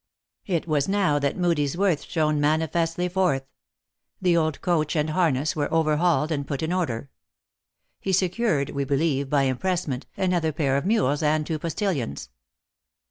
It was now that Moodie s worth shone manifestly forth. The old coach and harness were overhauled and put in order. He secured, we be lieve, by impressment, another pair of mules and two postillions.